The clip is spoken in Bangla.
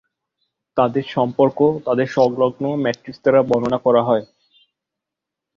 তাদের সম্পর্ক তাদের সংলগ্ন ম্যাট্রিক্স দ্বারা বর্ণনা করা হয়।